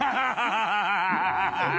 ハハハハハ！